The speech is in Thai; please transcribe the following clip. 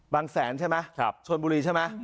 บางแสนใช่มะชนบุรีใช่มะ